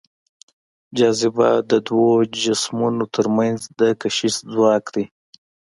جاذبه د دوو جسمونو تر منځ د کشش ځواک دی.